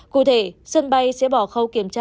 cụ thể sân bay sẽ bỏ khâu kiểm tra